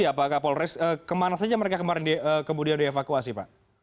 ya pak kapolres kemana saja mereka kemarin kemudian dievakuasi pak